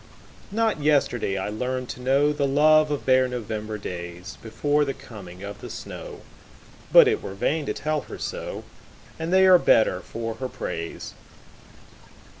Not yesterday I learned to knowThe love of bare November daysBefore the coming of the snow, But it were vain to tell her so, And they are better for her praise.